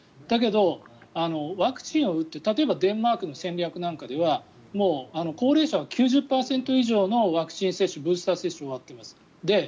だけど、ワクチンを打って例えばデンマークの戦略なんかではもう、高齢者は９０％以上ワクチン接種、ブースター接種が終わっています。